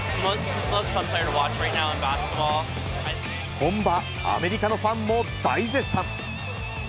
本場、アメリカのファンも大絶賛。